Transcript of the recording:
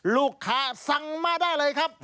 ลูกค้าสั่งมาได้เลยครับ